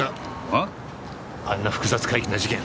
あんな複雑怪奇な事件